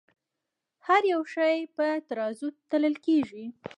هر يو شے پۀ ترازو تللے کيږې